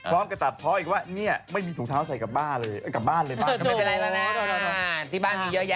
อะไรก็พออีกว่าไม่มีถุงเถ้าใส่กลับบ้านเลย